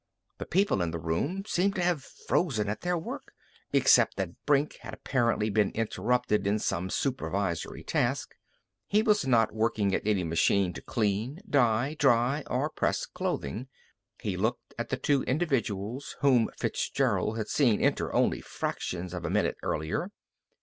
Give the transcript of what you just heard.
The people in the room seemed to have frozen at their work, except that Brink had apparently been interrupted in some supervisory task. He was not working at any machine to clean, dye, dry, or press clothing. He looked at the two individuals whom Fitzgerald had seen enter only fractions of a minute earlier.